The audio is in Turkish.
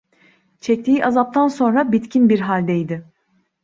Çektiği azaptan sonra bitkin bir halde idi.